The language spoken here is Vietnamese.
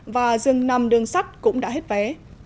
và dường nằm đường sắt cũng đã hết vé